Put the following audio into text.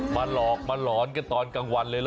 มาหลอกมาหลอนกันตอนกลางวันเลยเหรอ